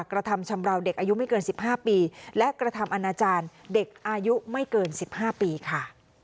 กระทำชำราวเด็กอายุไม่เกิน๑๕ปีและกระทำอนาจารย์เด็กอายุไม่เกิน๑๕ปีค่ะ